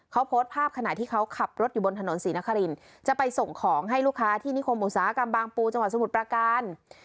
เขาโพสต์ภาพขณะที่เขาขับรถอยู่บนถนนศรีนครินจะไปส่งของให้ลูกค้าที่นิคมอุตสาหกรรมบางปูจังหวัดสมุทรประการ